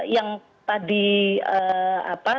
yang tadi apa